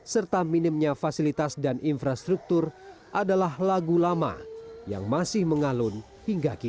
serta minimnya fasilitas dan infrastruktur adalah lagu lama yang masih mengalun hingga kini